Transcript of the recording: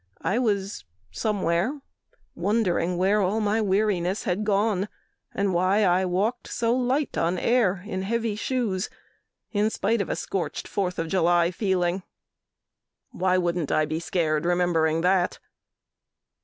I was somewhere wondering Where all my weariness had gone and why I walked so light on air in heavy shoes In spite of a scorched Fourth of July feeling. Why wouldn't I be scared remembering that?"